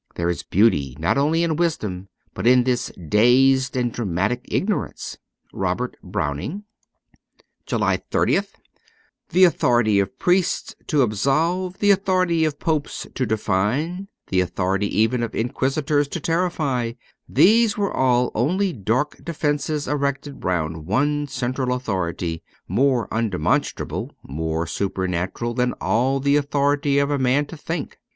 There is beauty, not only in wisdom, but in this dazed and dramatic ignorance. ' Robert Browning.' 233 JULY 30th THE authority of priests to absolve, the authority of popes to define, the authority even of inquisitors to terrify : these were all only dark defences erected round one central authority, more undemonstrable, more supernatural than all the authority of a man to think.